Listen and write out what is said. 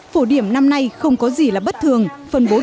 phổ điểm năm nay không có gì là bất thường phân bố điều đặn